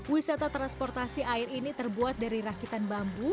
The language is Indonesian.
wisata transportasi air ini terbuat dari rakitan bambu